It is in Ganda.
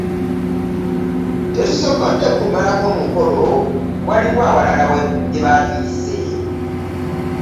Tetusobodde kumalako mukolo waliwo awalala gye batuyise.